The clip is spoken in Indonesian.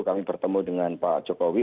kami bertemu dengan pak jokowi